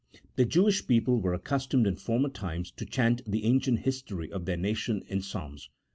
The Jewish people were accustomed in former times to chant the ancient history of their nation in psalms.